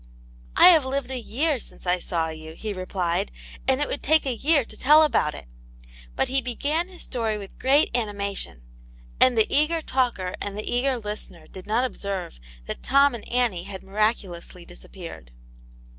" I have lived a year since I saw you," he replied, " and it would take a year to tell about it." But he began his story with great animation, and the eager talker and the eager listener did not observe that Tom and Annie had miraculously disappeared.